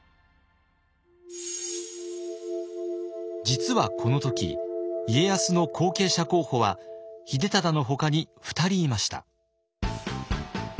実はこの時家康の後継者候補は秀忠のほかに２人いました。